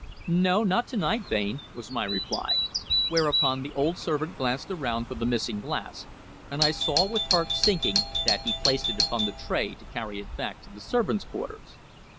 "No, not to night, Bain," was my reply. Whereupon the old servant glanced around for the missing glass, and I saw with heart sinking that he placed it upon the tray to carry it back to the servants' quarters.